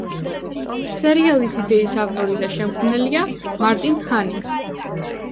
სერიალის იდეის ავტორი და შემქმნელია მარტინ ჰანი.